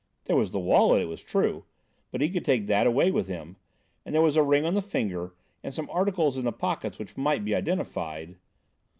There was the wallet, it was true, but he could take that away with him, and there was a ring on the finger and some articles in the pockets which might be identified.